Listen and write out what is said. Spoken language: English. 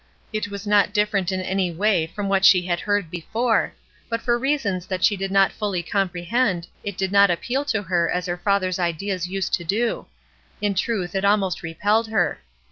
It was not different in any way from what she had heard before, but for reasons that she did not fully comprehend it did not appeal to her as her father's ideas used to do; in truth, it almost repelled her.